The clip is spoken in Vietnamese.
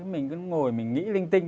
mình cứ ngồi mình nghĩ linh tinh